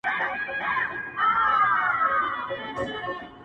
• د مال, عزت او د سرونو لوټماران به نه وي,